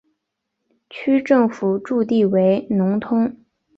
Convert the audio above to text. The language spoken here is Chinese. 区政府驻地为农通。